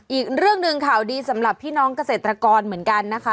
อีกเรื่องหนึ่งข่าวดีสำหรับพี่น้องเกษตรกรเหมือนกันนะคะ